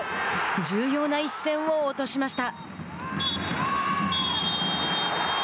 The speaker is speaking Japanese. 重要な一戦を落としました。